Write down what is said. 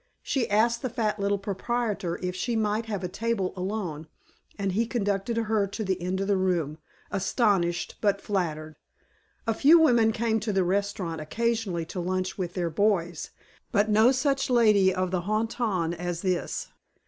She asked the fat little proprietor if she might have a table alone, and he conducted her to the end of the room, astonished but flattered. A few women came to the restaurant occasionally to lunch with "their boys," but no such lady of the haut ton as this.